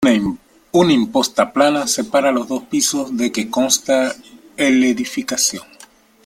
Una imposta plana separa los dos pisos de que consta el edificación.